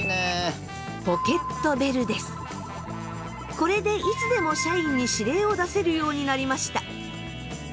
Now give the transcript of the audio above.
これでいつでも社員に指令を出せるようになりました。